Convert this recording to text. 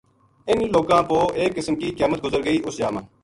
اِنھ لوکاں پو ایک قسم کی قیامت گزر گئی اس جا ما